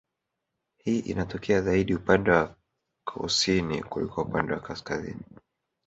Hii inatokea zaidi upande wa kusini kuliko upande wa kaskazini